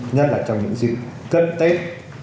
nhất là trong những dịp cất tết